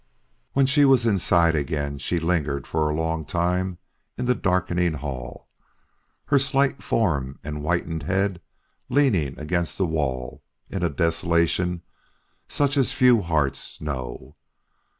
When she was inside again, she lingered for a long time in the darkening hall, her slight form and whitened head leaning against the wall in a desolation such as few hearts know.